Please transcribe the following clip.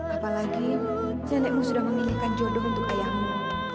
apalagi nenekmu sudah menginginkan jodoh untuk ayahmu